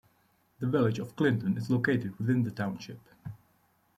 The village of Clinton is located within the township.